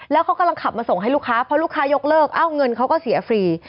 แล้วเขากำลังขับมาส่งให้ลูกค้าพอลูกค้ายกเลิกเอ้าเงินเขาก็เสียฟรี